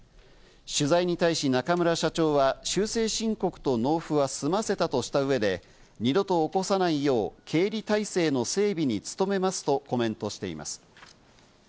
取材に対し中村社長は修正申告と納付は済ませたとした上で、二度と起こさないよう経理体制の整備につとめますとコメントしています。